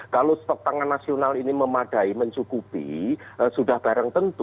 kalau stok pangan nasional ini memadai mencukupi sudah barang tentu